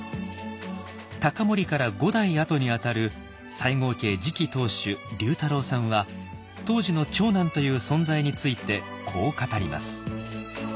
隆盛から５代あとにあたる西郷家次期当主隆太郎さんは当時の長男という存在についてこう語ります。